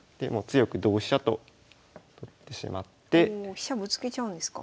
飛車ぶつけちゃうんですか？